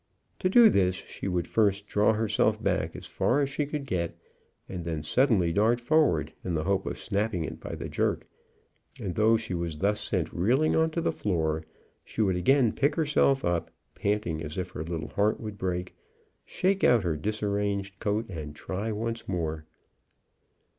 To do this, she would first draw herself back as far as she could get, and then suddenly dart forward, in the hope of snapping it by the jerk; and though she was thus sent reeling on the floor, she would again pick herself up, panting as if her little heart would break, shake out her disarranged coat, and try once more.